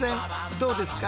どうですか？